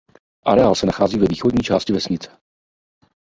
Areál se nachází ve východní části vesnice.